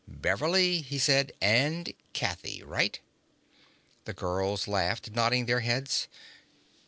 "Beverly," he said, "and Kathy. Right?" The girls laughed, nodding their heads.